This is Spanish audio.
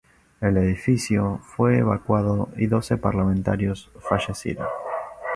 El edificio fue evacuado y doce parlamentarios fallecieron.